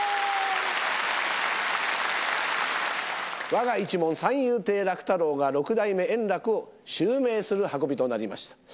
わが一門、三遊亭楽太郎が六代目円楽を襲名する運びとなりました。